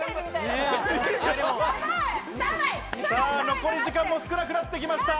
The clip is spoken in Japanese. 残り時間、少なくなってきました。